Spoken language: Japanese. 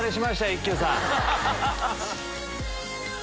一休さん。